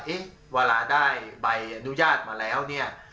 เวลาได้ใบอนุญาตมาแล้วเนี่ย